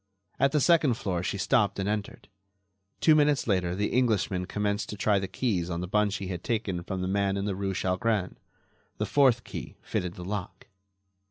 At the second floor she stopped and entered. Two minutes later the Englishman commenced to try the keys on the bunch he had taken from the man in the rue Chalgrin. The fourth key fitted the lock.